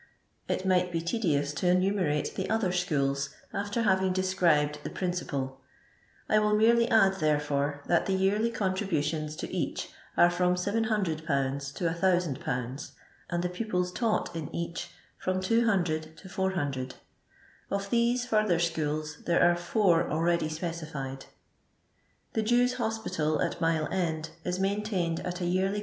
It might be tedious to enumerate the other schools, after having described the principal ; I will merely add, therefore, that the yearly, contributions to each are from 700/. to 1000/., and the pupils taught in each fit>m 200 to 400. Of these further schools there are four already specified. The Jews' Hospital, at Mile End, is maintained at a yearly